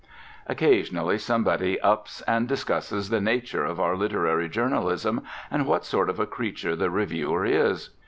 Occasionally somebody ups and discusses the nature of our literary journalism and what sort of a creature the reviewer is.